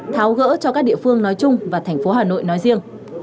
tháo gỡ cho các địa phương nói chung và thành phố hà nội nói riêng